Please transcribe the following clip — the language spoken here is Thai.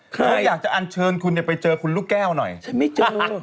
ฉันอยากจะอันเชิญคุณไปเจอคุณลูกแก้วหน่อยฉันไม่เจอ